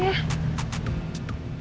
aku mau ke kantor